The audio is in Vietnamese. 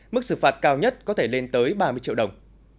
mức xử phạt cao nhất có thể lên tới ba mươi triệu đồng